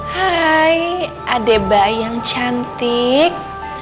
hai adeba yang cantik